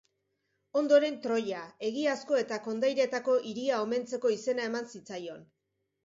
Ondoren Troia, egiazko eta kondairetako hiria omentzeko izena eman zitzaion.